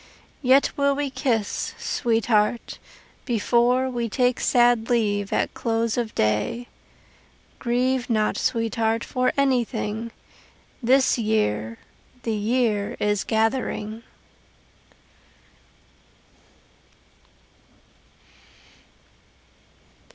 Yet will we kiss, sweetheart, before We take sad leave at close of day. Grieve not, sweetheart, for anything The year, the year is gathering.